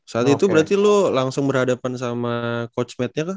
saat itu berarti lu langsung berhadapan sama coach matt nya kah